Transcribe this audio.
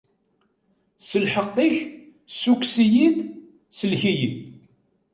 S lḥeqq-ik, ssukkes-iyi-d, sellek-iyi!